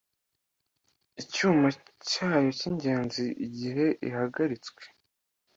icyuma cyayo cy'ingenzi igihe ihagaritswe